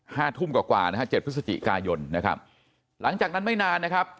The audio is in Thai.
ห้าทุ่มกว่าเจ็บพฤศจิกายนหลังจากนั้นไม่นานนะครับ